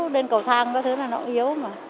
lên cầu thang các thứ là nó yếu mà